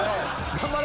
頑張れ！